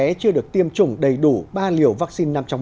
bộ y tế chưa được tiêm chủng đầy đủ ba liều vaccine năm trong một